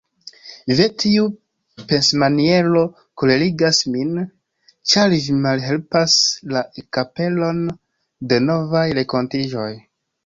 Ve, tiu pensmaniero kolerigas min, ĉar ĝi malhelpas la ekaperon de novaj renkontiĝoj.